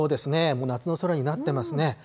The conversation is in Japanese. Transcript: もう夏の空になっていますね。